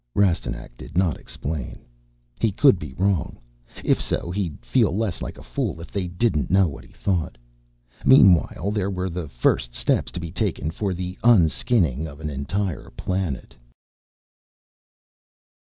Rastignac did not explain. He could be wrong. If so, he'd feel less like a fool if they didn't know what he thought. Meanwhile, there were the first steps to be taken for the unskinning of an entire planet.